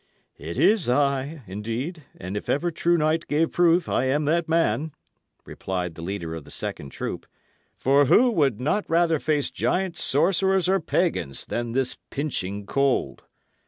"It is I, indeed; and if ever true knight gave proof I am that man," replied the leader of the second troop; "for who would not rather face giants, sorcerers, or pagans, than this pinching cold?"